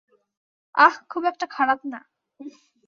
আহ, খুব একটা খারাপ না।